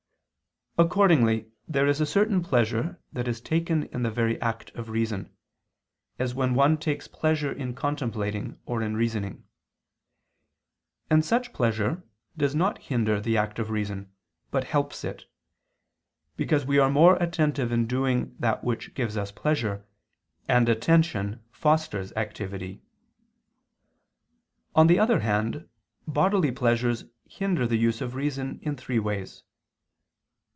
Accordingly there is a certain pleasure that is taken in the very act of reason, as when one takes pleasure in contemplating or in reasoning: and such pleasure does not hinder the act of reason, but helps it; because we are more attentive in doing that which gives us pleasure, and attention fosters activity. On the other hand bodily pleasures hinder the use of reason in three ways.